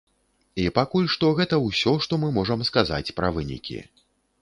І пакуль што гэта ўсё, што мы можам сказаць пра вынікі.